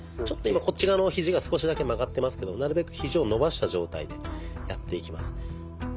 ちょっと今こっち側のひじが少しだけ曲がってますけどなるべくひじを伸ばした状態でやっていきます。